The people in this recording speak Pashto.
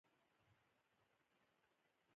غزني د افغانستان د دوامداره پرمختګ لپاره اړین دي.